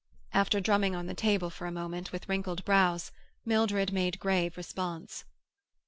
After drumming on the table for a moment, with wrinkled brows, Mildred made grave response.